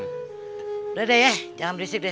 sudah deh ya jangan berisik deh